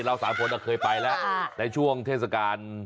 เราสามคนเคยไปแล้วในช่วงเทศกาล